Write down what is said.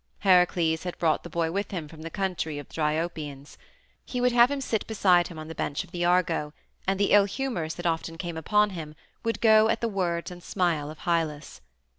Heracles had brought the boy with him from the country of the Dryopians; he would have him sit beside him on the bench of the Argo, and the ill humors that often came upon him would go at the words and the smile of Hylas.